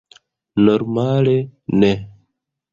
Normale, ne.